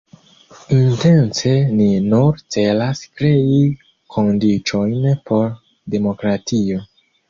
Intence ni nur celas krei kondiĉojn por demokratio.